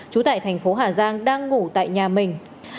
trú tại thành phố hà giang đang ngủ tại nhà mình